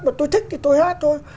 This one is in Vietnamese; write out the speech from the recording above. mà tớ thích thì tớ hát thôi